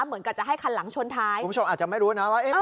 เหมือนกับจะให้คันหลังชนท้ายคุณผู้ชมอาจจะไม่รู้นะว่าเอ๊ะ